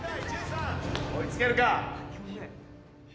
追い付けるか？